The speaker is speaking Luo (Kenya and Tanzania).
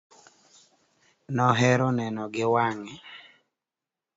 Nohero neno gi wange.